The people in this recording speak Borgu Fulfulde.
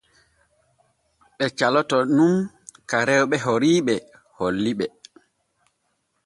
Ɓe caloto nun ka rewɓe oriiɓe holli ɓe.